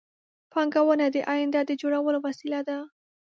پانګونه د آینده د جوړولو وسیله ده